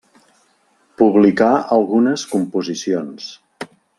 Publicà algunes composicions.